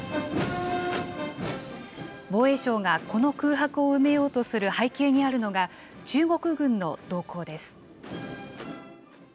防衛省がこの空白を埋めようとする背景にあるのが、中国軍の動向です。